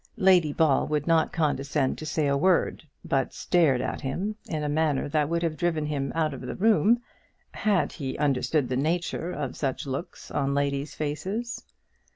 Lady Ball would not condescend to say a word, but stared at him in a manner that would have driven him out of the room had he understood the nature of such looks on ladies' faces.